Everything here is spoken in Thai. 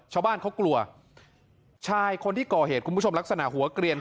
ชาวบ้านเขากลัวชายคนที่ก่อเหตุคุณผู้ชมลักษณะหัวเกลียน